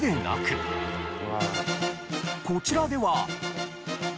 こちらでは。